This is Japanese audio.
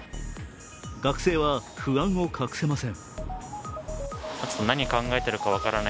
学生は不安を隠せません。